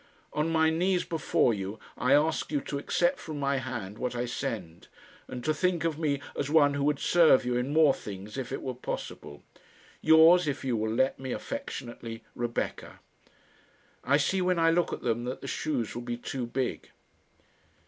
On my knees before you I ask you to accept from my hand what I send, and to think of me as one who would serve you in more things if it were possible. Yours, if you will let me, affectionately, REBECCA. I see when I look at them that the shoes will be too big.